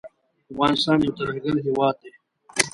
افغانستان یو ترهګر هیواد دی